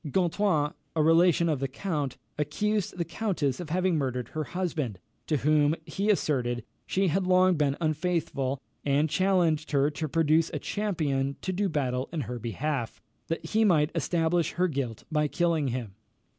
Gontran, a relation of the count, accused the countess of having murdered her husband, to whom, he asserted, she had long been unfaithful, and challenged her to produce a champion to do battle in her behalf, that he might establish her guilt by killing him.